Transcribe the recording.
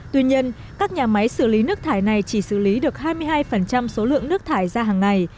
tuy nhiên các nhà máy xử lý nước thải này chỉ xử lý được hai mươi hai số lượng nước thải ra hàng ngày